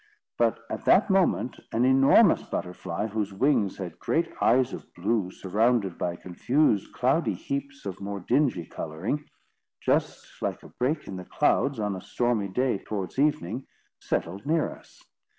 But at that moment an enormous butterfly, whose wings had great eyes of blue surrounded by confused cloudy heaps of more dingy colouring, just like a break in the clouds on a stormy day towards evening, settled near us.